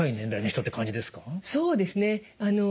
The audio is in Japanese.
そうですね。